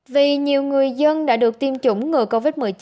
vì nhiều người dân đã được tiêm chủng ngừa covid một mươi chín